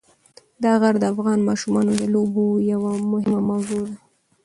دا غر د افغان ماشومانو د لوبو یوه مهمه موضوع ده.